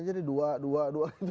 jadi dua dua dua